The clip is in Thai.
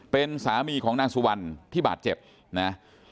เป็นสามีของนางสุวรรณที่บาดเจ็บนะ